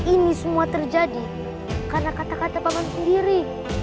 ini semua terjadi karena kata kata paman sendiri